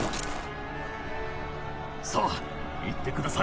さあ行ってください。